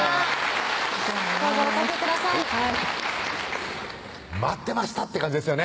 どうぞおかけくださいはい待ってましたって感じですよね